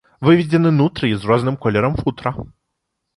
Выведзены нутрыі з розным колерам футра.